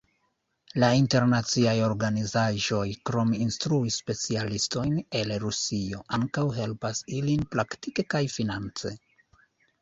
La internaciaj organizaĵoj, krom instrui specialistojn el Rusio, ankaŭ helpas ilin praktike kaj finance.